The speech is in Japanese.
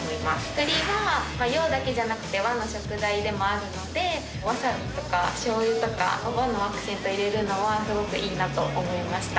栗は洋だけじゃなくて和の食材でもあるのでワサビとかしょうゆとか和のアクセント入れるのはすごくいいなと思いました。